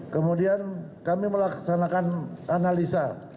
kemudian kami melaksanakan analisa